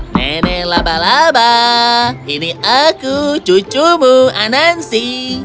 nenek labalaba ini aku cucumu anansi